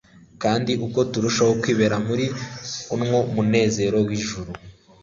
Kandi uko turushaho kwibera muri nwo munezero w'ijuru,